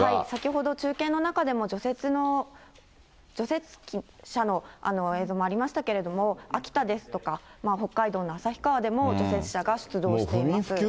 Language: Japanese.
先ほど中継の中でも、除雪の、除雪車の映像もありましたけれども、秋田ですとか、北海道の旭川でも除雪車が出動しています。